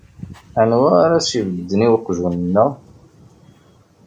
Anwa ara as-ibedden i uqjun-nneɣ?